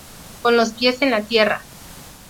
Con los pies en la tierra.